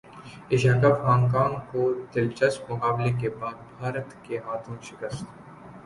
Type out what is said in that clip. Asia cup Hong Kong کو دلچسپ مقابلے کے بعد بھارت کے ہاتھوں شکست